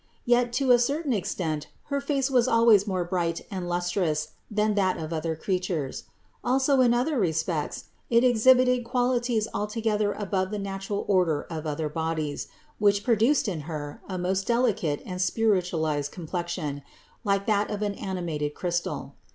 Yet to a certain extent her face was always more bright and lustrous than that of other creatures. Also in other re spects it exhibited qualities altogether above the natural order of other bodies, which produced in Her a most delicate and spiritualized complexion, like that of an animated crystal.